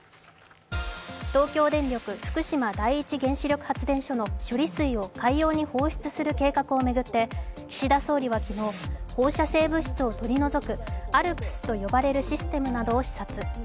東京電力・福島第一原子力発電所の処理水を、海洋に放出する計画を巡って、岸田総理は昨日、放射能物質を取り除くＡＬＰＳと呼ばれるシステムなどを視察。